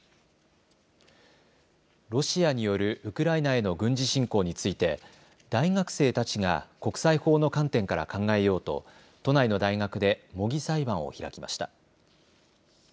ロシアによるウクライナへの軍事侵攻について大学生たちが国際法の観点から考えようと都内の大学で模擬裁判を開きました。